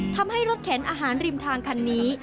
ทำให้รถเข็นอาหารริมทางคันนี้